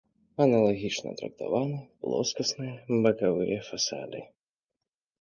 Аналагічна трактаваны плоскасныя бакавыя фасады.